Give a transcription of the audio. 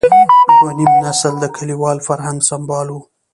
دویم نسل د کلیوال فرهنګ سمبال و.